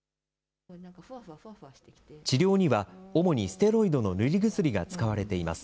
治療には、主にステロイドの塗り薬が使われています。